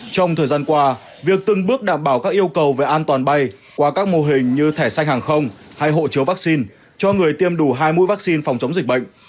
trong thời gian qua việc từng bước đảm bảo các yêu cầu về an toàn bay qua các mô hình như thẻ sách hàng không hay hộ chiếu vaccine cho người tiêm đủ hai mũi vaccine phòng chống dịch bệnh